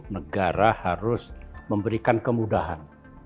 negara harus memberikan kemudahan